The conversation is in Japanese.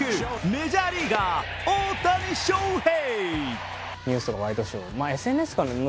メジャーリーガー、大谷翔平！